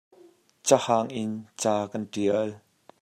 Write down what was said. Cahang in ca kan ṭial.